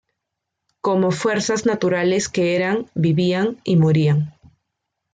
Como fuerzas naturales que eran, vivían y morían.